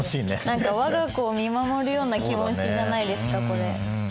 何か我が子を見守るような気持ちじゃないですかこれ。